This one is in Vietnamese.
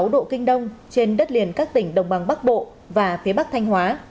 một trăm linh năm sáu độ kinh đông trên đất liền các tỉnh đồng bằng bắc bộ và phía bắc thanh hóa